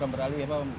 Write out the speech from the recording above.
beralih ya pak